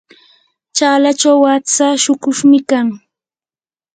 chalachaw atsa shuqushmi kan.